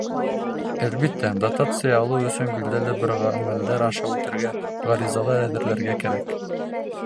Әлбиттә, дотация алыу өсөн билдәле бер ғәмәлдәр аша үтергә, ғаризалар әҙерләргә кәрәк.